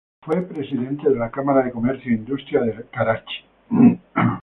Fue presidente de la Cámara de Comercio e Industria de Karachi.